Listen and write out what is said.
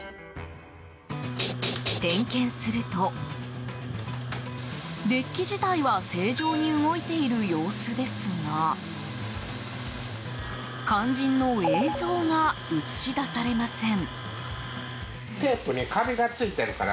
点検すると、デッキ自体は正常に動いている様子ですが肝心の映像が映し出されません。